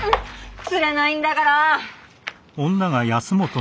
つれないんだから！